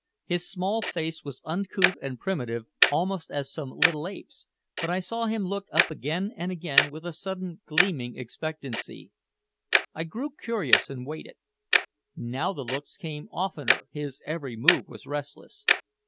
His small face was uncouth and primitive almost as some little ape's, but I saw him look up again and again with a sudden gleaming expectancy. I grew curious and waited. Now the looks came oftener, his every move was restless.